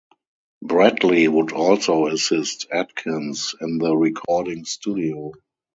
Bradley would also assist Atkins in the recording studio.